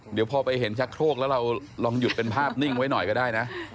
เดี๋ยวพอไปเห็นชักโครกแล้วเราลองหยุดเป็นภาพนิ่งไว้หน่อยก็ได้นะ